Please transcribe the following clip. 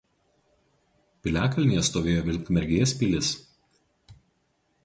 Piliakalnyje stovėjo Vilkmergės pilis.